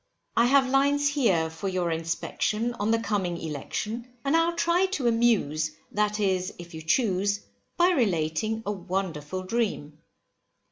I have lines here for your inspection, on the coming election, and I'll try to amuse, that is if you choose, by relating a wonderful dream.